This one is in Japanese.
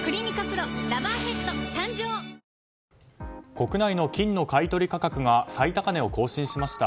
国内の金の買い取り価格が最高値を更新しました。